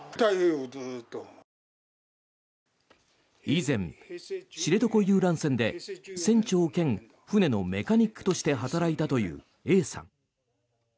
以前、知床遊覧船で船長兼船のメカニックとして働いたというＡさん。